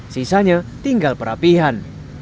sisanya tinggal perapihan